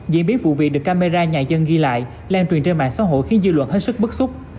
diễn biến vụ việc được camera nhà dân ghi lại lan truyền trên mạng xã hội khiến dư luận hết sức bức xúc